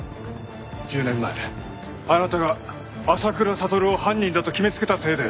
１０年前あなたが浅倉悟を犯人だと決めつけたせいで。